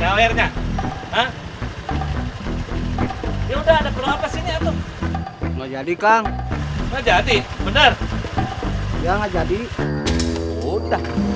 klir nya ya udah ada berapa sini atau menjadi kang maja adik bener nggak jadi udah